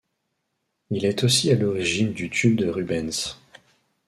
Il est aussi à l'origine du tube de Rubens.